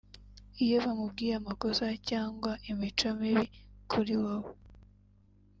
Iyo bamubwiye amakosa cyangwa imico mibi kuri wowe